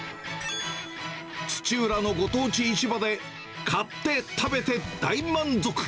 土浦のご当地市場で、買って、食べて、大満足。